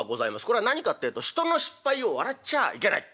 これは何かってえと人の失敗を笑っちゃあいけない。